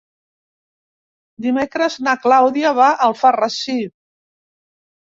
Dimecres na Clàudia va a Alfarrasí.